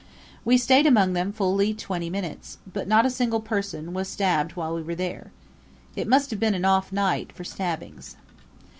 We stayed among them fully twenty minutes, but not a single person was stabbed while we were there. It must have been an off night for stabbings.